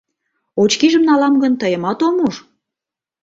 Очкижым налам гын, тыйымат ом уж.